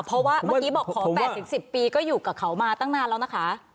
เพราะว่าเมื่อกี้บอกขอ๘๑๐ปีก็อยู่กับเขามาตั้งนานแล้วนะคะ